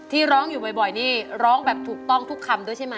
ร้องอยู่บ่อยนี่ร้องแบบถูกต้องทุกคำด้วยใช่ไหม